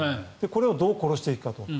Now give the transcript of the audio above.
これをどう殺していくかと。